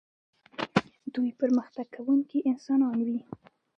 دوی پرمختګ کوونکي انسانان وي.